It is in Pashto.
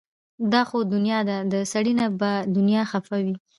دا خو دنيا ده د سړي نه به دنيا خفه وي